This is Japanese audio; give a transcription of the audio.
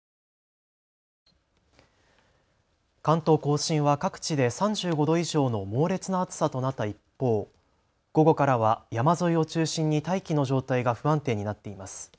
関東甲信は各地で３５度以上の猛烈な暑さとなった一方、午後からは山沿いを中心に大気の状態が不安定になっています。